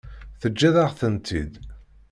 Teǧǧiḍ-aɣ-tent-id.